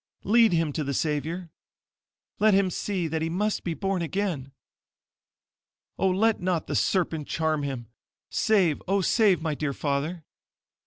Lead him to the Savior. Let him see that he MUST BE BORN AGAIN. Oh let not the SERPENT CHARM HIM! Save, oh, save my dear father!"